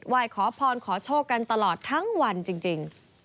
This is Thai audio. ยขอพรขอโชคกันตลอดทั้งวันจริง